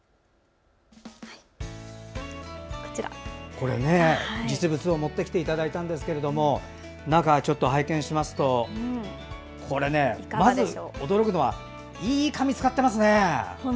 これ、実物を持ってきていただいたんですけど中、拝見しますとこれね、まず驚くのはいい紙使ってますね！